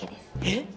えっ！？